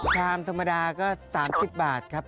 ชามธรรมดาก็๓๐กิโลกรัม